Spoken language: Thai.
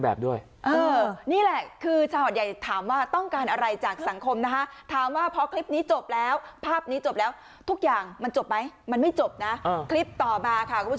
เอ้อนี่แหละคือชาวหน่อย่ายถามว่าต้องการอะไรจากสังคมนะฮะ